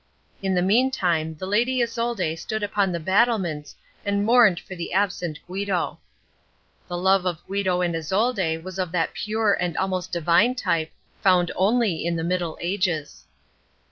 In the meantime the Lady Isolde stood upon the battlements and mourned for the absent Guido. The love of Guido and Isolde was of that pure and almost divine type, found only in the middle ages.